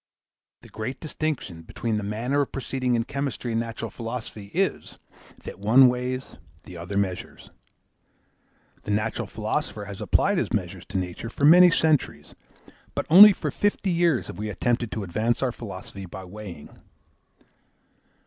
The great distinction between the manner of proceeding in chemistry and natural philosophy is, that one weighs, the other measures. The natural philosopher has applied his measures to nature for many centuries, but only for fifty years have we attempted to advance our philosophy by weighing.